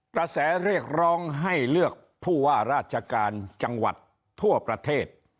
กระแสเรียกร้องให้เลือกผู้ว่าราชการจังหวัดทั่วประเทศ